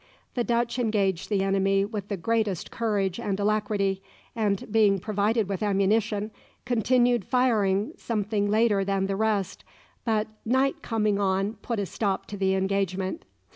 The Dutch engaged the enemy with the greatest courage and alacrity, and being provided with ammunition, continued firing something later than the rest, but night coming on put a stop to the engagement.